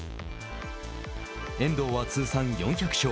遠藤は通算４００勝。